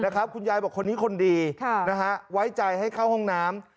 คุณยายบอกคนนี้คนดีไว้ใจให้เข้าห้องน้ำ